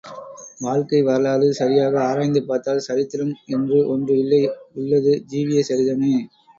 வாழ்க்கை வரலாறு சரியாக ஆராய்ந்து பார்த்தால் சரித்திரம் என்று ஒன்று இல்லை உள்ளது ஜீவிய சரிதமே.